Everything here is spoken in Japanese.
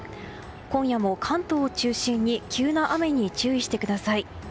今夜も関東を中心に急な雨に注意してください。